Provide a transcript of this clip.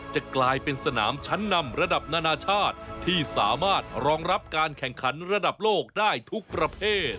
จะกลายเป็นสนามชั้นนำระดับนานาชาติที่สามารถรองรับการแข่งขันระดับโลกได้ทุกประเภท